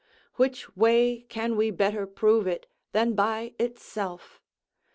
Which way can we better prove it than by itself?